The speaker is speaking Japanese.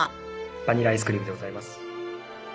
バニラアイスクリームでございます。